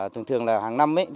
thường thường là hàng năm